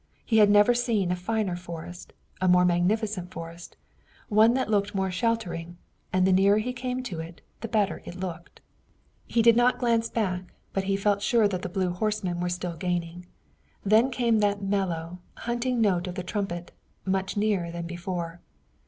He had never seen a finer forest, a more magnificent forest, one that looked more sheltering, and the nearer he came to it the better it looked. He did not glance back, but he felt sure that the blue horsemen must still be gaining. Then came that mellow, hunting note of the trumpet, much nearer than before.